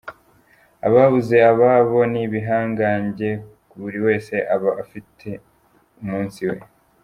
Ababuze ababo nibihangange buri wese aba ufite umunsiwe.